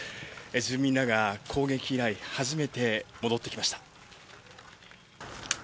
住民らが攻撃以来、初めて戻ってきました。